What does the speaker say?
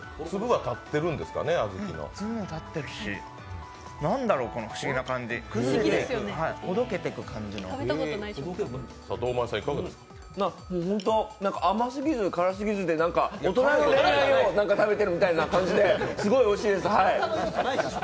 粒も立ってるし、何だろう、この不思議な感じ、ほどけていく感じの甘すぎず辛すぎずで大人の恋愛を食べているみたいな感じですごいおいしいです、はい。